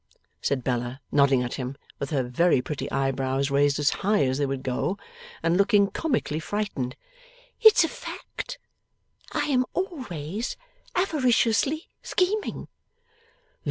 said Bella, nodding at him, with her very pretty eyebrows raised as high as they would go, and looking comically frightened. 'It's a fact. I am always avariciously scheming.